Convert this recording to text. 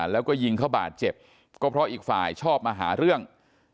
แล้วก็ยิงเขาบาดเจ็บก็เพราะอีกฝ่ายชอบมาหาเรื่อง